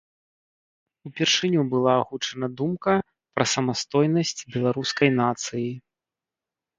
Упершыню была агучана думка пра самастойнасць беларускай нацыі.